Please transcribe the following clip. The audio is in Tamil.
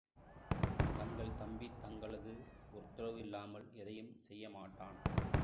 தங்கள் தம்பி தங்களது உத்தரவு இல்லாமல் எதையும் செய்ய மாட்டான்.